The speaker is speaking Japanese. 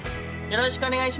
よろしくお願いします！